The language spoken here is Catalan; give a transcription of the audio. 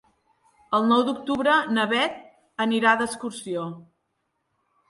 El nou d'octubre na Beth anirà d'excursió.